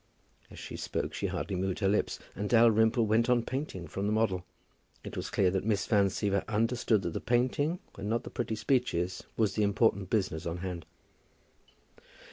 As she spoke she hardly moved her lips, and Dalrymple went on painting from the model. It was clear that Miss Van Siever understood that the painting, and not the pretty speeches, was the important business on hand.